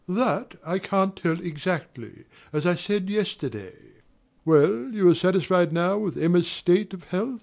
That I can't tell exactly, as I said yesterday. Well, you are satisfied now with Emma's state of health?